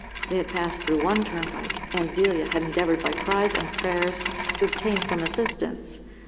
They had passed through one turnpike, and Delia had endeavoured by cries and prayers to obtain some assistance.